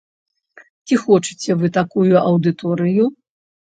Ці хочаце вы такую аўдыторыю?